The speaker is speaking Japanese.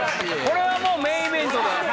これはメインイベントで。